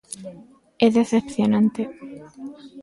É decepcionante.